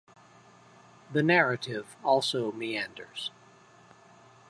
The narrative also meanders.